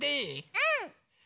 うん！